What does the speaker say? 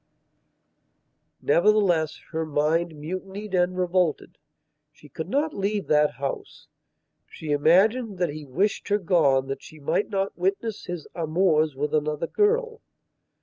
Nevertheless her mind mutinied and revolted. She could not leave that house. She imagined that he wished her gone that she might not witness his amours with another girl.